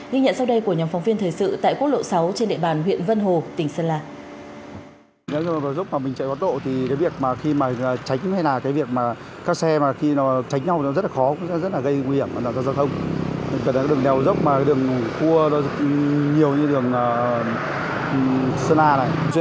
ghi nhận sau đây của nhóm phóng viên thời sự tại quốc lộ sáu trên địa bàn huyện vân hồ tỉnh sơn la